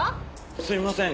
すいません。